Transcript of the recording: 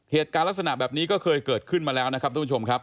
เหตุการณ์ลักษณะแบบนี้ก็เคยเกิดขึ้นมาแล้วนะครับทุกผู้ชมครับ